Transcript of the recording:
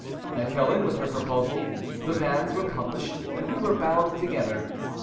I fell in with her proposal, the banns were published, and we were bound together.